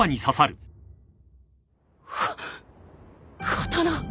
刀！？